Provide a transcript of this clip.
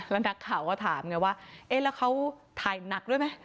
แล้วนักข่าวก็ถามไงว่าเอ๊ะแล้วเขาถ่ายหนักด้วยไหม